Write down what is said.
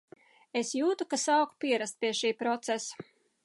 Es jūtu, ka es sāku pierast pie šī procesa.